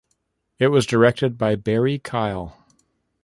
It was directed by Barry Kyle.